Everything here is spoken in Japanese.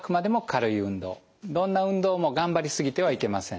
どんな運動も頑張りすぎてはいけません。